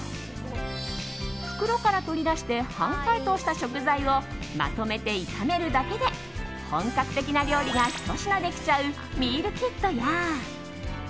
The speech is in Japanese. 袋から取り出して半解凍した食材をまとめて炒めるだけで本格的な料理がひと品できちゃうミールキットや。